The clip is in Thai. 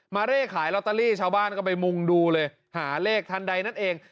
เร่ขายลอตเตอรี่ชาวบ้านก็ไปมุ่งดูเลยหาเลขทันใดนั่นเอง